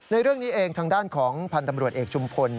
ในเรื่องนี้เองทางด้านของพันธ์ตำรวจเอกชุมพล